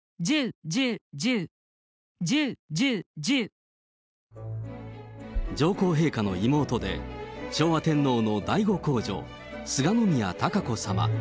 そして、上皇陛下の妹で、昭和天皇の第５皇女、清宮貴子さま。